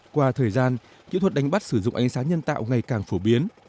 qua thời gian kỹ thuật đánh bắt sử dụng ánh sáng nhân tạo ngày càng phổ biến